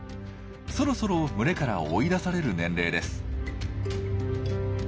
そろそろ群れから追い出される年齢です。